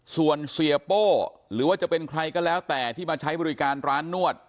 ส่วนเสียโป้หรือว่าจะเป็นใครก็แล้วแต่ที่มาใช้บริการร้านนวด